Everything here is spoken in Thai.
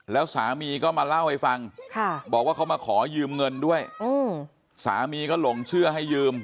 แล้วสามีก็มาเล่าให้ฟังบอกว่าเขามาขอยืมเงินด้วยสามีก็หลงเชื่อให้ยืม